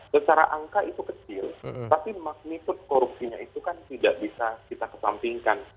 secara angka itu kecil tapi magnitud korupsinya itu kan tidak bisa kita kesampingkan